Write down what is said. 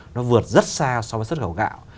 nó vượt rất xa so với xuất khẩu gạo